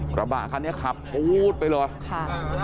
กระบะคันนี้ขับปู๊ดไปเลยค่ะ